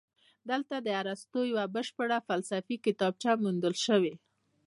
دلته د ارسطو یوه بشپړه فلسفي کتابچه موندل شوې